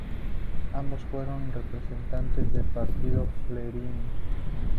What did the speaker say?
Ambos, fueron representantes del Partido Frelimo.